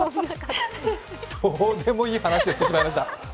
どうでもいい話をしてしまいました。